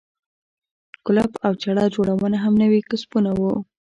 کولپ او چړه جوړونه هم نوي کسبونه وو.